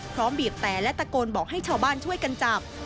บีบแต่และตะโกนบอกให้ชาวบ้านช่วยกันจับ